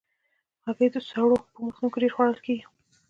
هګۍ د سړو په موسم کې ډېر خوړل کېږي.